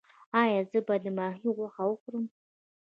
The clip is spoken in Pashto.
ایا زه باید د ماهي غوښه وخورم؟